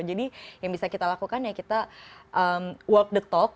jadi yang bisa kita lakukan ya kita walk the talk